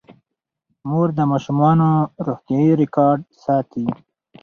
مور د ماشومانو روغتیايي ریکارډ ساتي.